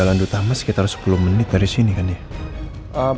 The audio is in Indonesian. jalan utama sekitar sepuluh menit dari sini kan ya